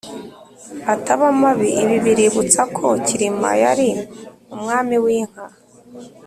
ataba mabi ibi biributsa ko cyilima yari umwami w’inka